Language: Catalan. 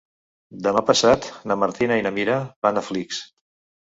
Demà passat na Martina i na Mira van a Flix.